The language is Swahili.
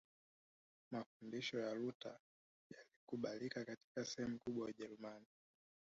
Mafundisho ya Luther yalikubalika katika sehemu kubwa ya Ujerumani